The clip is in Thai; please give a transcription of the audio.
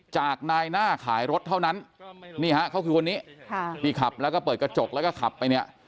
จากนายหน้าขายรถเท่านั้นนี่ฮะเขาคือคนนี้ที่ขับแล้วก็เปิดกระจกแล้วก็ขับไปเนี่ย